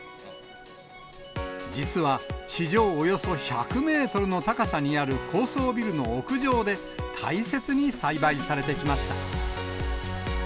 実は地上およそ１００メートルの高さにある高層ビルの屋上で、大切に栽培されてきました。